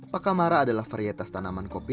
pakamara adalah varietas tanaman kopi